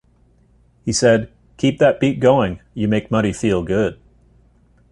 He said 'keep that beat going, you make Muddy feel good.